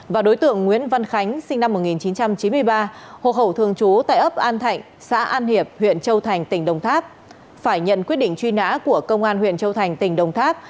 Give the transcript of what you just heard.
và đối tượng nguyễn văn khánh sinh năm một nghìn chín trăm chín mươi ba hộ khẩu thường trú tại ấp an thạnh xã an hiệp huyện châu thành tỉnh đồng tháp phải nhận quyết định truy nã của công an huyện châu thành tỉnh đồng tháp